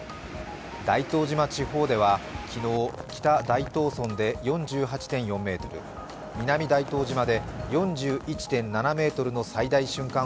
大東島地方では昨日北大東村で４８．４ｍ南大東島で４１．７メートルの最大瞬間